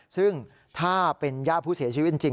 ซึ่งถ้าเป็นญาติผู้เสียชีวิตจริง